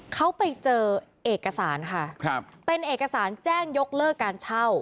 เขาไปเจอเอกสารค่ะครับเป็นเอกสารแจ้งยกเลิกการเช่า